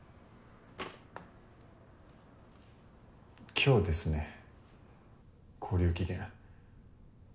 今日ですね勾留期限。